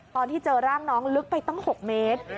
ตอนที่เจอร่างน้องลึกไปตั้ง๖เมตร